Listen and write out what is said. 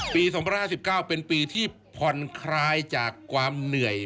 ปี๒๕๙เป็นปีที่ผ่อนคลายจากความเหนื่อย